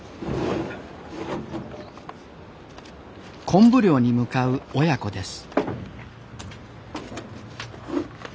昆布漁に向かう親子です。